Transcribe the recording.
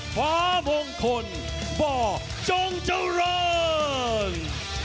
ฟ้ามงคลบ้าจงเจ้าเริ่ม